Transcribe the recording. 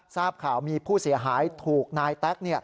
ทราบข่าวมีผู้เสียหายถูกนายแต๊ก